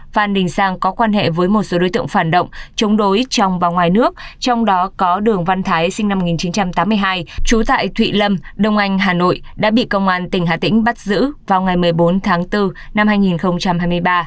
phan đình sang có quan hệ với một số đối tượng phản động chống đối trong và ngoài nước trong đó có đường văn thái sinh năm một nghìn chín trăm tám mươi hai trú tại thụy lâm đông anh hà nội đã bị công an tỉnh hà tĩnh bắt giữ vào ngày một mươi bốn tháng bốn năm hai nghìn hai mươi ba